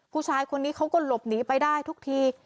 ผู้ชายคนนี้เขาก็หลบหนีไปได้ทุกที